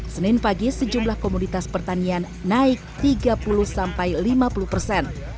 senin pagi sejumlah komoditas pertanian naik tiga puluh sampai lima puluh persen